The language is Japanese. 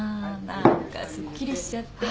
何かすっきりしちゃって。